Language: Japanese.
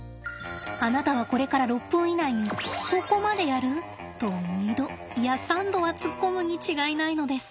あなたはこれから６分以内に「そこまでやる？」と２度いや３度は突っ込むに違いないのです。